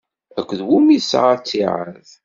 Akked wumi i tesɛa ttiɛad?